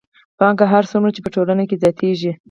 پانګه هر څومره چې په ټولنه کې زیاتېږي